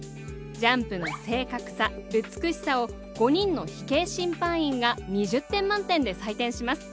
ジャンプの正確さ、美しさを５人の飛型審判員が２０点満点で採点します。